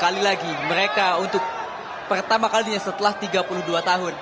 sekali lagi mereka untuk pertama kalinya setelah tiga puluh dua tahun